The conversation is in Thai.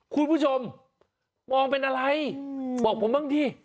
คุณผู้ชมมองเป็นอะไรบอกผมบ้างดิ